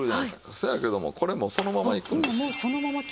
そやけどもこれもうそのままいくんですよ。